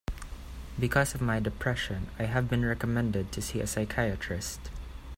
Because of my depression, I have been recommended to see a psychiatrist.